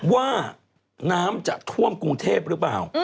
ว่าน้ำจะท่วมกรุงเทพหรือเปล่า